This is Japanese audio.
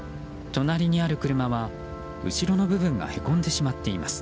隣にある車は後ろの部分がへこんでしまっています。